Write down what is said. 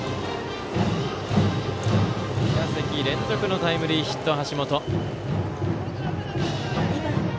２打席連続のタイムリーヒット橋本。